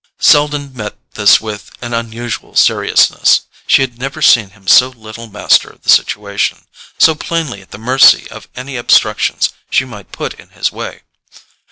Selden met this with an unusual seriousness: she had never seen him so little master of the situation, so plainly at the mercy of any obstructions she might put in his way.